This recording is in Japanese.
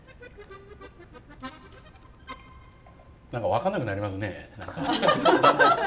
何か分かんなくなりますね。